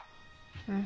うん。